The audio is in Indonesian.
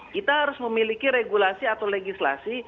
kita harus memiliki regulasi atau legislasi